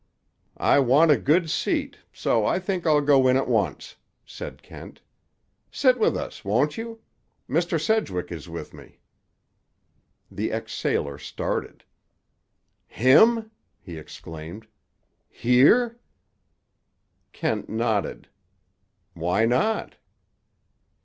"I want a good seat; so I think I'll go in at once," said Kent. "Sit with us, won't you? Mr. Sedgwick is with me." The ex sailor started. "Him?" he exclaimed. "Here?" Kent nodded. "Why not?"